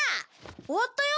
終わったよ？